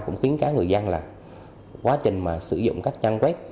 cũng khiến các người dân là quá trình mà sử dụng các trang web